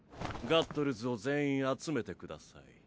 ガットルズを全員集めてください。